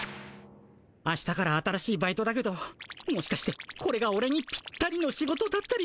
あしたから新しいバイトだけどもしかしてこれがオレにぴったりの仕事だったりして。